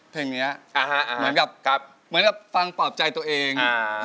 เพลงนี้เหมือนกับฟังฝับใจตัวเอง